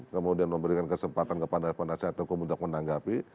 kemudian memberikan kesempatan kepada penasihat hukum untuk menanggapi